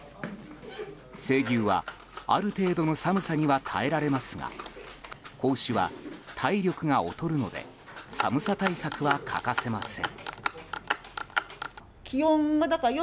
成牛は、ある程度の寒さには耐えられますが子牛は体力が劣るので寒さ対策は欠かせません。